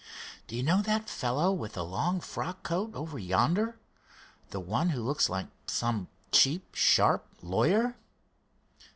"Do you know that fellow with the long frock coat over yonder—the one who looks like some cheap sharp lawyer?